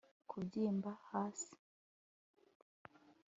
kubyimba hasi